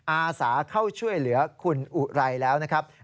อาสาเข้าช่วยเหลือคุณอุไรแล้วนะครับ